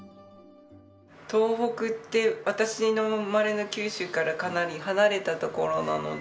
東北って私の生まれの九州からかなり離れた所なので寒いですし。